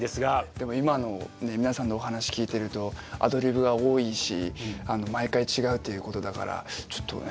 でも今の皆さんのお話聞いてるとアドリブが多いし毎回違うということだからちょっとね。